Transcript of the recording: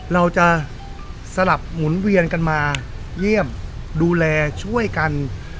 เราจะสลับหมุนเวียนกันมาเยี่ยมดูแลช่วยกัน